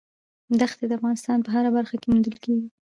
دښتې د افغانستان په هره برخه کې موندل کېږي.